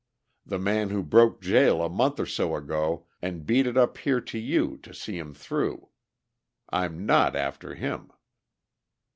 The man who broke jail a month or so ago, and beat it up here to you to see him through. I'm not after him."